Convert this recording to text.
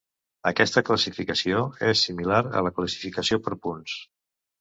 Aquesta classificació és similar a la classificació per punts.